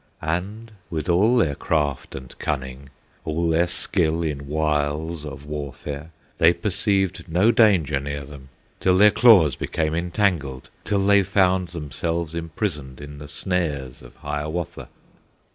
And with all their craft and cunning, All their skill in wiles of warfare, They perceived no danger near them, Till their claws became entangled, Till they found themselves imprisoned In the snares of Hiawatha.